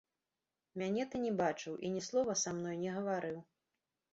Мяне ты не бачыў і ні слова са мной не гаварыў.